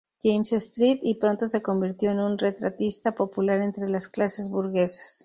James Street y pronto se convirtió en un retratista popular entre las clases burguesas.